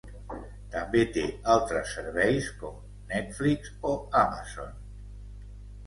També té altres serveis com Netflix o Amazon.